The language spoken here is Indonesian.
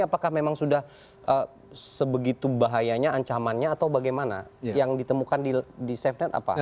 apakah memang sudah sebegitu bahayanya ancamannya atau bagaimana yang ditemukan di safenet apa